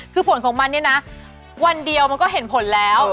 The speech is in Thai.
คือผลของมันเนี่ยนะวันเดียวมันก็เห็นผลแล้ว